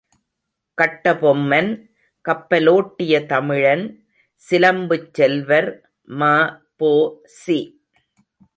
கட்டபொம்மன், கப்பலோட்டிய தமிழன் சிலம்புச் செல்வர் ம.பொ.சி.